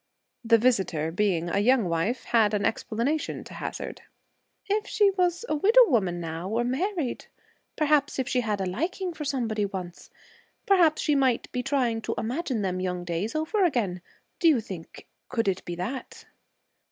The visitor, being a young wife, had an explanation to hazard. 'If she was a widow woman, now, or married perhaps she had a liking for somebody once. Perhaps she might be trying to imagine them young days over again. Do you think could it be that?'